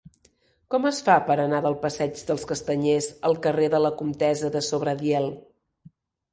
Com es fa per anar del passeig dels Castanyers al carrer de la Comtessa de Sobradiel?